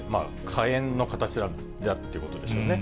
火炎の形だということでしょうね。